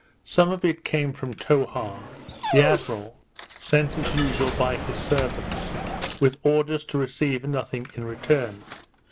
Some of it came from Towha, the admiral, sent as usual by his servants, with orders to receive nothing in return.